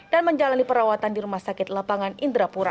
dan menjalani perawatan di rumah sakit lapangan indrapura